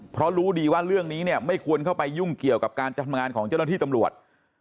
เพราะรู้ดีว่าเรื่องนี้เนี่ยไม่ควรเข้าไปยุ่งเกี่ยวกับการทำงานของเจ้าหน้าที่ตำรวจ